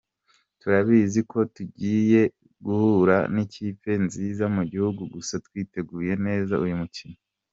Turabizi ko tugiye guhura n’ikipe nziza mu gihugu gusa twiteguye neza uyu mukino.